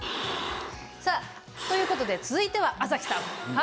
ということで続いては朝日さん。